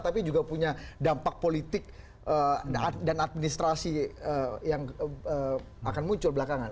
tapi juga punya dampak politik dan administrasi yang akan muncul belakangan